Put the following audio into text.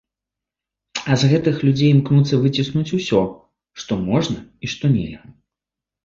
А з гэтых людзей імкнуцца выціснуць усё, што можна і што нельга.